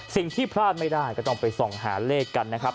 สิ่งที่พลาดไม่ได้ก็ต้องไปส่องหาเลขกันนะครับ